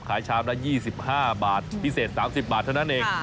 ชามละ๒๕บาทพิเศษ๓๐บาทเท่านั้นเอง